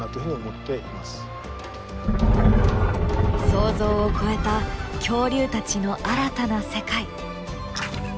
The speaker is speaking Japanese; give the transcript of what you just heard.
想像を超えた恐竜たちの新たな世界。